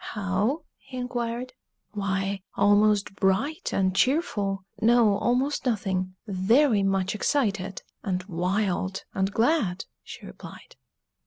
"How?" he inquired. "Why, almost bright and cheerful no, almost nothing very much excited, and wild, and glad!" she replied.